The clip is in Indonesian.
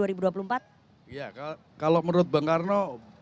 iya kalau menurut bung karno